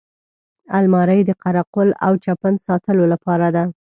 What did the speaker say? الماري د قره قل او چپن ساتلو لپاره ده